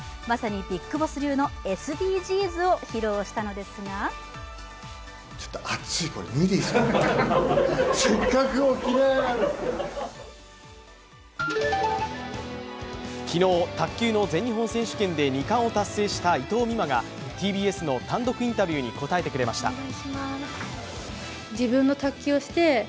まさにビッグボス流のＳＤＧｓを披露したのですが昨日、卓球の全日本選手権で２冠を達成した伊藤美誠がＴＢＳの単独インタビューに応えてくれました。